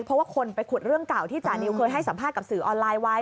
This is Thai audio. เพราะว่าคนไปขุดเรื่องเก่าที่จานิวเคยให้สัมภาษณ์กับสื่อออนไลน์ไว้